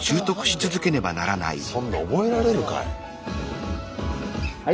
そんな覚えられるかい。